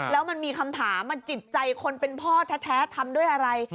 แล้วมันมีคำถามจิตใจคนเป็นพ่อแท้ทำด้วยอะไร